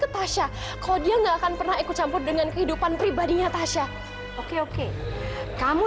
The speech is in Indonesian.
tasya kok dia nggak akan pernah ikut campur dengan kehidupan pribadinya tasya oke oke kamu